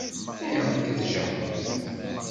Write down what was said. Ayɣer akka i tjaḥemt?